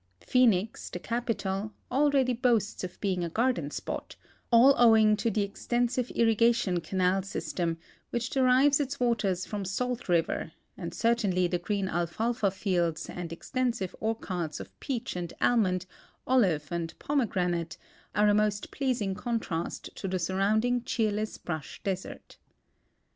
Phoenix, the capital, already boasts of being a garden spot, all owing to the exten sive irrigation canal S3'stem which derives its waters from Salt river, and certainly the green alfalfa fields and extensive or chards of peach and almond, olive and pomegranate, are a most pleasing contrast to the surrounding cheerless brush desert.